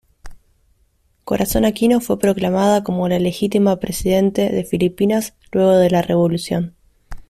Corazon Aquino fue proclamada como la legítima presidente de Filipinas luego de la revolución.